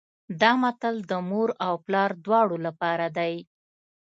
دا متل د مور او پلار دواړو لپاره دی